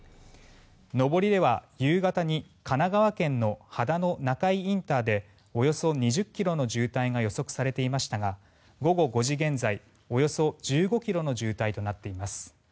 上りでは夕方に神奈川県の秦野中井ＩＣでおよそ２０ｋｍの渋滞が予測されていましたが午後５時現在、およそ１５ｋｍの渋滞となっています。